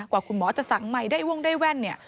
ว่าคุณหมอจะสั่งใหม่ได้วงได้แว่นเนี่ย